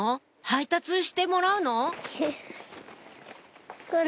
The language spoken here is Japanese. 配達してもらうの？